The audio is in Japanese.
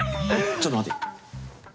ちょっと待って。